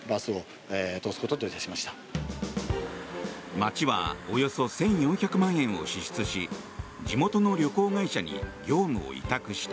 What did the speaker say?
町はおよそ１４００万円を支出し地元の旅行会社に業務を委託した。